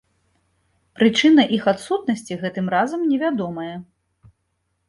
Прычына іх адсутнасці гэтым разам невядомая.